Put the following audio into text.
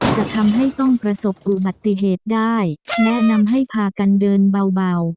จะทำให้ต้องประสบอุบัติเหตุได้แนะนำให้พากันเดินเบา